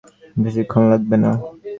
বেশিক্ষণ লাগবে না।